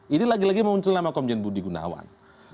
ini lagi lagi muncul nama komjen budi gunawan